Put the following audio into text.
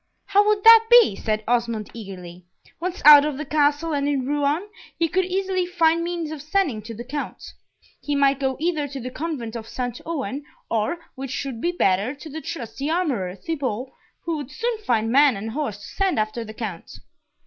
"How would that be?" said Osmond, eagerly. "Once out of the Castle, and in Rouen, he could easily find means of sending to the Count. He might go either to the Convent of St. Ouen, or, which would be better, to the trusty armourer, Thibault, who would soon find man and horse to send after the Count."